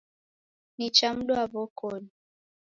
Nicha mdwa wokoni